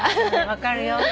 分かるよ。